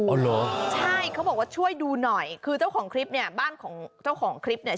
เหรอใช่เขาบอกว่าช่วยดูหน่อยคือเจ้าของคลิปเนี่ยบ้านของเจ้าของคลิปเนี่ย